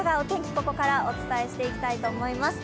ここからお伝えしていきたいと思います。